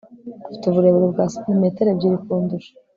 afite uburebure bwa santimetero ebyiri kundusha